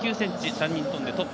３人跳んでトップ。